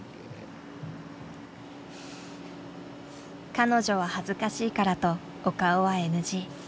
彼女は恥ずかしいからとお顔はＮＧ。